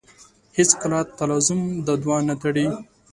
هېڅکله تلازم دا دوه نه تړي.